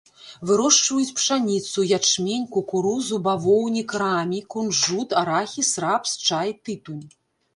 Вырошчваюць пшаніцу, ячмень, кукурузу, бавоўнік, рамі, кунжут, арахіс, рапс, чай, тытунь.